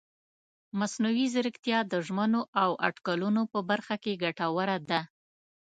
مصنوعي ځیرکتیا د ژمنو او اټکلونو په برخه کې ګټوره ده.